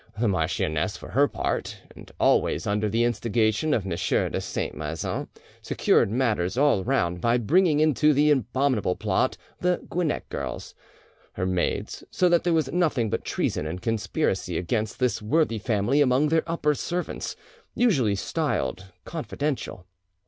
The marchioness for her part, and always under the instigation of M. de Saint Maixent, secured matters all round by bringing into the abominable plot the Quinet girls, her maids; so that there was nothing but treason and conspiracy against this worthy family among their upper servants, usually styled confidential.